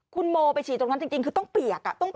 คุณโมไปฉี่ตรงนั้นจริงคือต้องเปียก